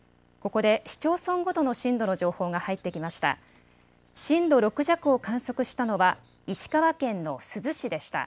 ここで市町村ごとの震度の情報が入ってきました。